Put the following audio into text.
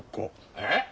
えっ！？